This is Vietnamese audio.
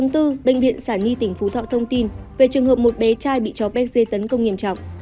ngày một một bốn bệnh viện sản nhi tỉnh phú thọ thông tin về trường hợp một bé trai bị chó béc dê tấn công nghiêm trọng